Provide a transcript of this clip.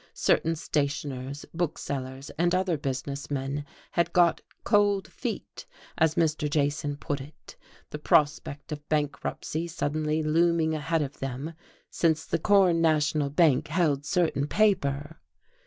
Certain stationers, booksellers and other business men had got "cold feet," as Mr. Jason put it, the prospect of bankruptcy suddenly looming ahead of them, since the Corn National Bank held certain paper....